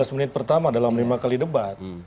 lima belas menit pertama dalam lima kali debat